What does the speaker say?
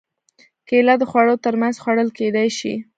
کېله د خوړو تر منځ خوړل کېدای شي.